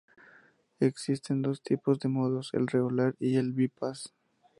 Existen dos tipos de modos: el regular o el bypass.